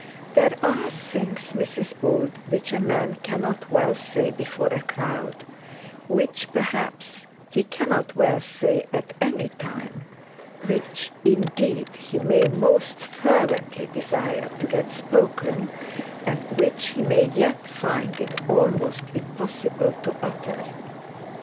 'There are things, Mrs Bold, which a man cannot well say before a crowd; which perhaps he cannot well say at any time; which indeed he may most fervently desire to get spoken, and which he may yet find it almost impossible to utter.